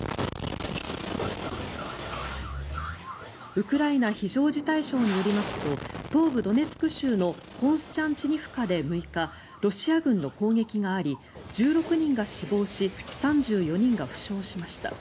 ウクライナ非常事態省によりますと東部ドネツク州のコンスチャンチニフカで６日ロシア軍に攻撃があり１６人が死亡し３４人が負傷しました。